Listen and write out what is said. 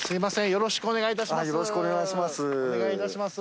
よろしくお願いします。